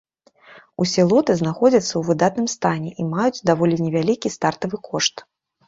Усе лоты знаходзяцца ў выдатным стане і маюць даволі невялікі стартавы кошт.